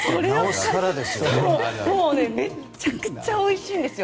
もう、めちゃくちゃおいしいんですよ。